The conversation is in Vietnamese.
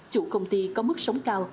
chủ công ty có mức sống cao